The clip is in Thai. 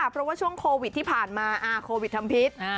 เพราะว่าช่วงโควิดที่ผ่านมาโควิดทำพิษ